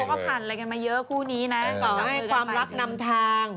ก็ผ่านอะไรกันมาเยอะคู่นี้นะต่อให้ความรักนำทาง